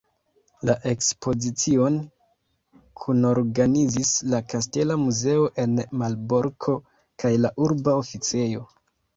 La ekspozicion kunorganizis la Kastela Muzeo en Malborko kaj la Urba Oficejo.